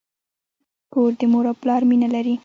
کور د مور او پلار مینه لري.